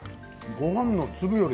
ごはんの粒より